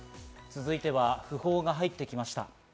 続いては、訃報が入ってきました。